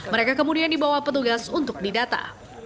mereka kemudian dibawa petugas untuk didata